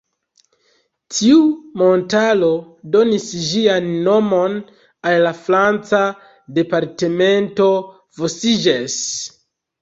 Tiu montaro donis ĝian nomon al la franca departemento Vosges.